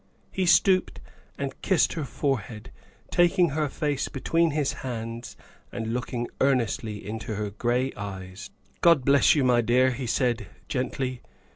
He stooped and kissed her forehead, taking her face between his hands and looking earnestly into her gray eyes. " God bless you, my dear," he said gently.